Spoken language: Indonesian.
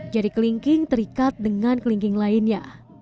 jadi kelingking terikat dengan kelingking lainnya